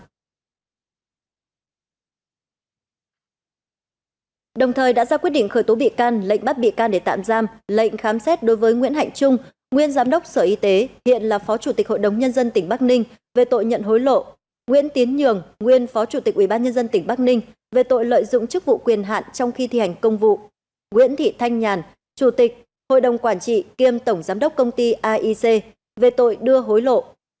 bộ công an vừa ra quyết định khởi tố bị can lệnh bắt bị can để tạm giam lệnh khám xét đối với nguyễn hạnh trung nguyên giám đốc sở y tế hiện là phó chủ tịch hội đồng nhân dân tỉnh bắc ninh về tội nhận hối lộ nguyễn tiến nhường nguyên phó chủ tịch ubnd tỉnh bắc ninh về tội lợi dụng chức vụ quyền hạn trong khi thi hành công vụ nguyễn thị thanh nhàn chủ tịch hội đồng quản trị kiêm tổng giám đốc công ty aic về tội đưa hối lộ